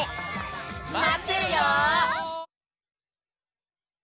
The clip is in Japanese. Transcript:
まってるよ！